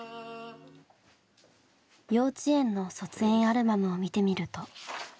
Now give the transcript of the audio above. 幼稚園の卒園アルバムを見てみると。